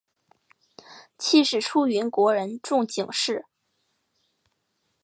妻是出云国人众井氏。